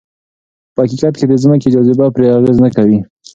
په حقیقت کې د ځمکې جاذبه پرې اغېز نه کوي.